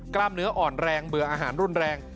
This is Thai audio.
กล้ามเนื้ออ่อนแรงเบื่ออาหารรุนแรง